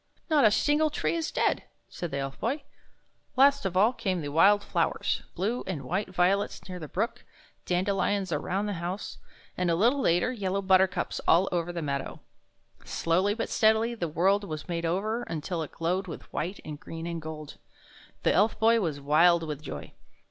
" Not a single tree is dead," said the Elf Boy. Last of all came the wild flowers — blue and white violets near the brook, dandelions around the house, and, a little later, yellow buttercups all over the meadow. Slowly but steadily the world was made over, until it glowed with white and green and gold. The Elf Boy was wild with joy.